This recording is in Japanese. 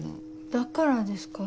だからですか。